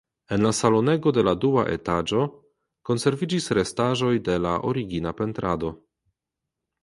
En la salonego de la dua etaĝo konserviĝis restaĵoj de la origina pentrado.